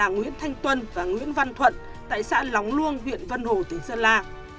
nguyễn thanh tuân và nguyễn văn thuận tại xã lóng luông huyện vân hồ tỉnh sơn la